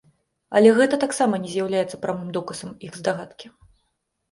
Але гэта таксама не з'яўляецца прамым доказам іх здагадкі.